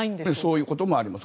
そういうこともあります。